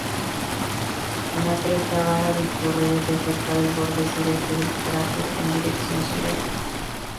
Una cresta baja discurre desde cerca del borde sureste del cráter en dirección sureste.